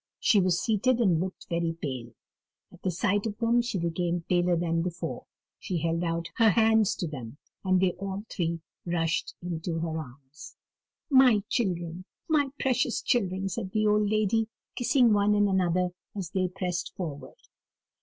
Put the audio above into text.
She was seated, and looked very pale. At the sight of them she became paler than before; she held out her hands to them, and they all three rushed into her arms. "My children, my precious children!" said the old lady, kissing one and another as they pressed forward.